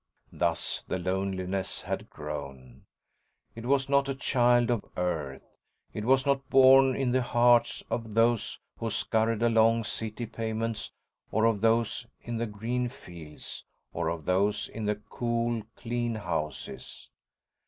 Thus the loneliness had grown. It was not a child of Earth. It was not born in the hearts of those who scurried along city pavements or of those in the green fields or of those in the cool, clean houses.